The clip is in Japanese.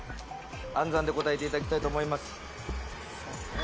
暗算で答えていただきたいと思います。